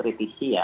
harus dikritisi ya